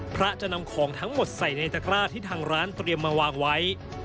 พระจะนำของทั้งหมดใส่ในตะกร้าที่ทางร้านเตรียมมาวางไว้